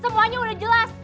semuanya udah jelas